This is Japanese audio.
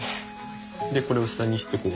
これを下にしてこう？